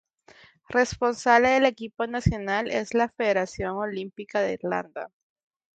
Responsable del equipo nacional es la Federación Olímpica de Irlanda.